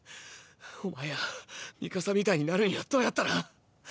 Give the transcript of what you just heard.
お前やミカサみたいになるにはどうやったら。